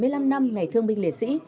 bảy mươi năm năm ngày thương binh liệt sĩ